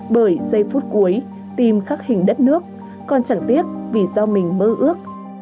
bởi giây phút cuối tim khắc hình đất nước còn chẳng tiếc vì do mình mơ ước